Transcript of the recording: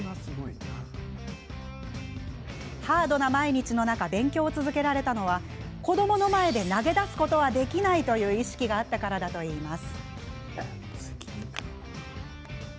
ハードな毎日の中勉強を続けられたのは子どもの前で投げ出すことはできないという意識があったからだといいます。